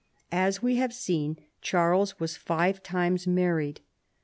As we have seen, Charles was five times married.